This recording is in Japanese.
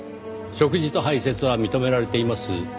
食事と排泄は認められています。